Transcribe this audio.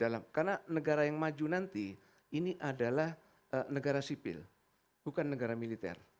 karena negara yang maju nanti ini adalah negara sipil bukan negara militer